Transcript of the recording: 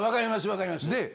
分かります。